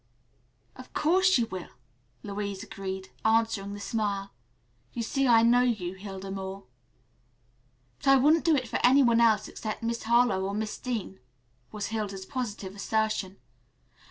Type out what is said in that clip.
"Of course you will," Louise agreed, answering the smile. "You see I know you, Hilda Moore." "But I wouldn't do it for any one else except Miss Harlowe or Miss Dean," was Hilda's positive assertion.